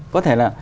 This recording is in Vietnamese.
có thể là